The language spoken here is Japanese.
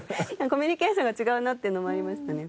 コミュニケーションが違うなっていうのもありましたね。